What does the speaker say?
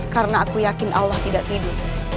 karena aku yakin allah tidak tidur